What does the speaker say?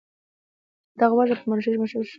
او پۀ دغه وجه پۀ منشي مشهور شو ۔